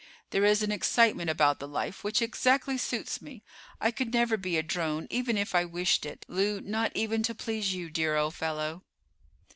There is an excitement about the life which exactly suits me. I could never be a drone even if I wished it, Lew—not even to please you, dear old fellow."